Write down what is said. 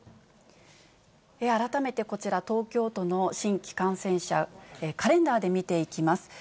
改めてこちら、東京都の新規感染者、カレンダーで見ていきます。